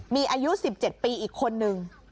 มีอายุ๑๗ปีอีกคนนึง